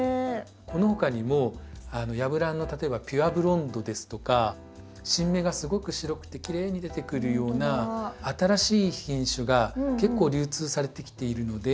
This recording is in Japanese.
このほかにもヤブランの例えばピュアブロンドですとか新芽がすごく白くてきれいに出てくるような新しい品種が結構流通されてきているので。